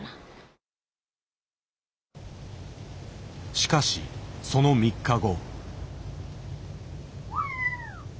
しかしその３日後。